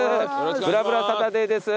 『ぶらぶらサタデー』です。